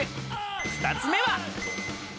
２つ目は。